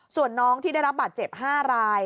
ส่วนน้องที่ได้รับบาดเจ็บ๕ราย